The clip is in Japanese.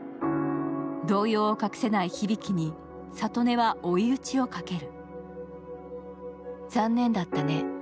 動揺を隠せない響に、郷音は追い打ちをかける。